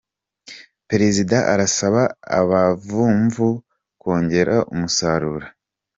Perezida Arasaba abavumvu kongera umusaruro